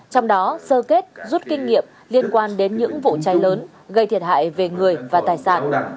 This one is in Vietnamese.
trong đó sơ kết rút kinh nghiệm liên quan đến những vụ cháy lớn gây thiệt hại về người và tài sản